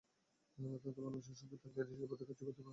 তাঁদের ভালোবাসা সঙ্গে থাকলে নিজের মধ্যে কাজের গতি আরও বেড়ে যায়।